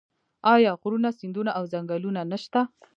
آیا غرونه سیندونه او ځنګلونه نشته؟